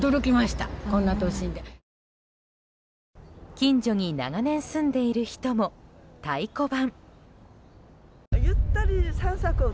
近所に長年住んでいる人も太鼓判。